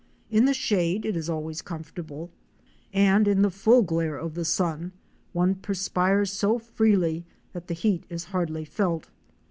In the shade it is always comfortable, and in the full glare of the sun one perspires so freely that the heat is hardly felt.